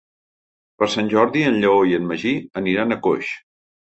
Per Sant Jordi en Lleó i en Magí aniran a Coix.